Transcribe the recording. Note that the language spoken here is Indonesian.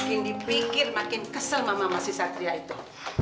makin dipikir makin kesel mama mas si satria itu